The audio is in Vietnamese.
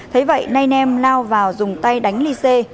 thấy vậy nê nem lao vào dùng tay đánh ly cê